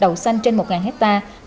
đầu xanh trên một hectare